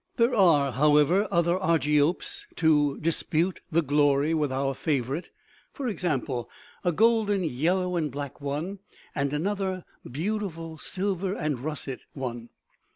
There are, however, other Argiopes to dispute the glory with our favorite; for example, a golden yellow and black one and another beautiful silver and russet one.